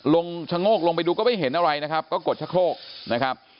ชะโงกลงไปดูก็ไม่เห็นอะไรนะครับก็กดชะโครกนะครับ